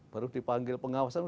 baru dipanggil pengawasan